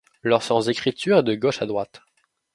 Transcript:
Leur sens d'écriture est de gauche à droite.